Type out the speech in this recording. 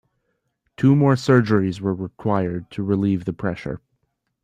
Two more surgeries were required to relieve the pressure.